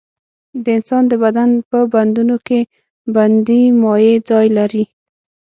د انسان د بدن په بندونو کې بندي مایع ځای لري.